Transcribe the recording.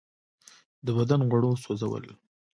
د بدن غوړو سوځول.